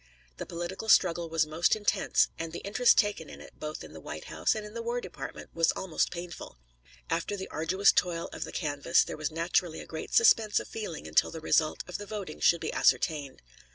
The political struggle was most intense, and the interest taken in it, both in the White House and in the War Department, was almost painful. After the arduous toil of the canvass, there was naturally a great suspense of feeling until the result of the voting should be ascertained.